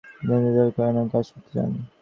তিনি শৈশবে লিয়োঁ শহরে কেরানির কাজ করতে যান।